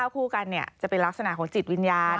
คู่กันจะเป็นลักษณะของจิตวิญญาณ